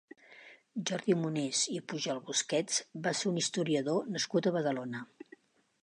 Jordi Monés i Pujol-Busquets va ser un historiador nascut a Badalona.